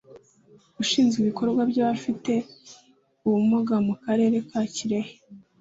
ushinzwe ibikorwa by’abafite ubumuga mu Karere ka Kirehe